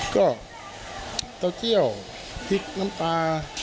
เกี่ยวหลักอะไรบ้าง